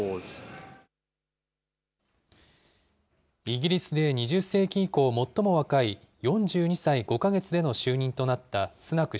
イギリスで２０世紀以降、最も若い４２歳５か月での就任となったスナク